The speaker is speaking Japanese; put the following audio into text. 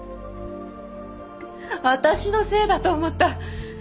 私のせいだと思った。